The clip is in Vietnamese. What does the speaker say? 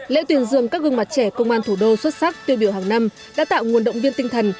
lễ tuyên dương các gương mặt trẻ công an thủ đô xuất sắc tiêu biểu hàng năm đã tạo nguồn động viên tinh thần